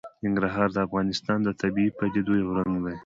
ننګرهار د افغانستان د طبیعي پدیدو یو رنګ دی.